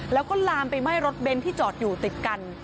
แล้วก็ลามไปไหม้รถเน้นที่จอดอยู่ติดกัน